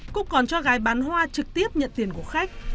cúc còn cho gái bán hoa trực tiếp nhận tiền của khách